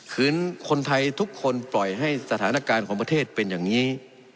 คืนคนไทยทุกคนปล่อยให้สถานการณ์ของประเทศเป็นอย่างนี้